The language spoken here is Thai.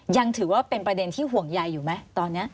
ยังถือว่าเป็นประเด็นที่ห่วงใยอยู่ไหมตอนนี้